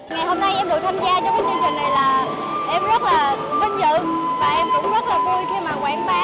ngày hôm nay em được tham gia trong cái chương trình này là em rất là vinh dự và em cũng rất là vui khi mà quảng bá